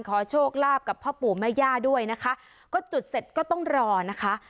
โชคลาภกับพ่อปู่แม่ย่าด้วยนะคะก็จุดเสร็จก็ต้องรอนะคะ